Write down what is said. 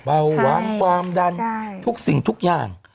เบาหวานความดันทุกสิ่งทุกอย่าง